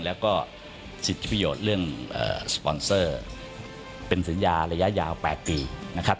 แล้วก็สิทธิประโยชน์เรื่องสปอนเซอร์เป็นสัญญาระยะยาว๘ปีนะครับ